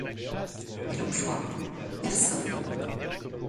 Elle emploie personnes.